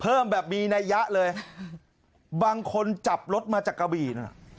เพิ่มแบบมีนัยยะเลยบางคนจับรถมาจากกะบี่น่ะ